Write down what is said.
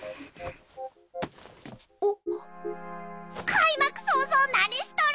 開幕早々何しとる！